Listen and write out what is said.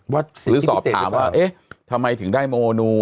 หรือสอบถามว่าเอ๊ะทำไมถึงได้โมนู